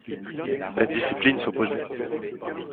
La discipline s'opposait.